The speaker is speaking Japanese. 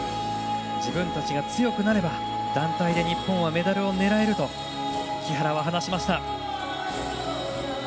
自分たちが強くなれば団体で日本はメダルを狙えると木原は話しました。